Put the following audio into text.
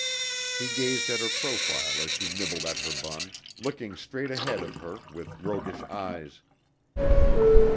He gazed at her profile as she nibbled at her bun, looking straight ahead of her with roguish eyes.